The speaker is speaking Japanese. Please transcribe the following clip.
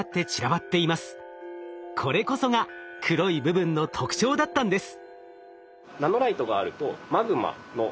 これこそが黒い部分の特徴だったんです。